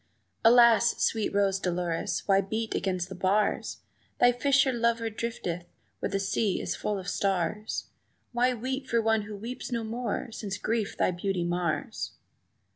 "Alas, sweet Rose Dolores, why beat against the bars? Thy fisher lover drifteth where the sea is full of stars; Why weep for one who weeps no more? since grief thy beauty mars!"